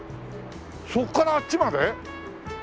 そこからあっちまで？